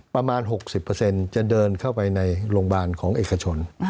ประมาณ๖๐จะเดินเข้าไปในโรงพยาบาลของเอกชน